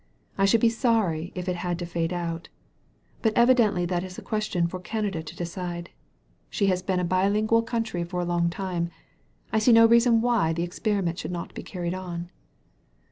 I should be sorry if it had to fade out. But evidently that is a question for Canada to decide. She has been a bilingual ooun 180 SKETCHES OF QUEBEC try for a long time. I see no reason why the ex periment should not be carried on.